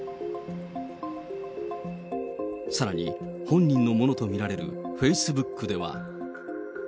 さらに、本人のものと見られるフェイスブックでは。